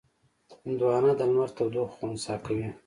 هندوانه د لمر تودوخه خنثی کوي.